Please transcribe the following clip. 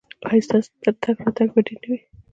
ایا ستاسو تګ راتګ به ډیر نه وي؟